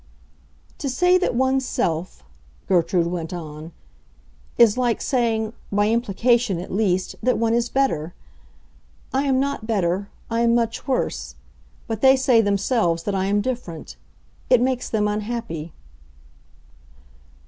"To say that one's self," Gertrude went on, "is like saying—by implication, at least—that one is better. I am not better; I am much worse. But they say themselves that I am different. It makes them unhappy."